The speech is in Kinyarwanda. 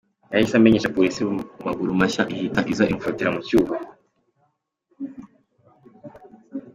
Yahise amenyesha Polisi mu maguru mashya, ihita iza imufatira mu cyuho.